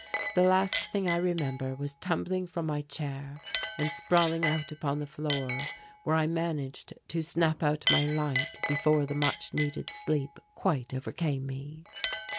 The last thing I remember was tumbling from my chair and sprawling out upon the floor where I managed to snap out my light before the much needed sleep quite overcame me.